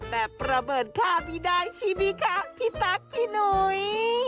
แบบประเบิดค่าพี่ได้ชีวิตค่ะพี่ตั๊กพี่หนุ๊ย